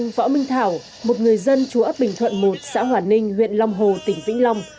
ông võ minh thảo một người dân chú ấp bình thuận một xã hòa ninh huyện long hồ tỉnh vĩnh long